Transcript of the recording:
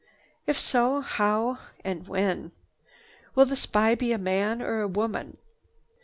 If so, how and when? Will the spy be a man or a woman?